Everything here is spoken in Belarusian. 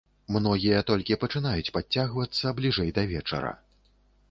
Многія толькі пачынаюць падцягвацца бліжэй да вечара.